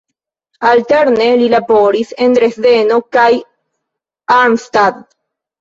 Alterne li laboris en Dresdeno kaj Arnstadt.